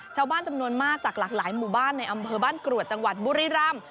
ชาวบ้านจำนวนมากจากหลากหลายหมู่บ้านในอำเภอบ้านกรวดจังหวัดบุรีรำ